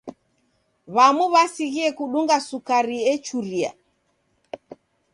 W'amu w'asighie kudunga sukari echuria.